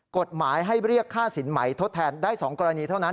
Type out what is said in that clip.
กฎหมายให้เรียกค่าสินใหม่ทดแทนได้๒กรณีเท่านั้น